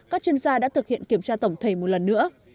các chuyên gia đã thực hiện kiểm tra tổng thể một lần nữa